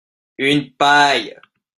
Une paille